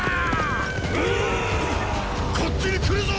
こっちに来るぞ！